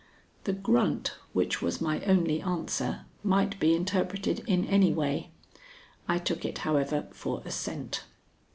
The grunt which was my only answer might be interpreted in any way. I took it, however, for assent.